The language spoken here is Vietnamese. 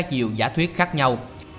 nhiều giả thuyết khác nhau